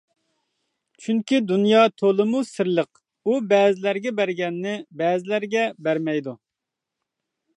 چۈنكى دۇنيا تولىمۇ سىرلىق، ئۇ بەزىلەرگە بەرگەننى بەزىلەرگە بەرمەيدۇ.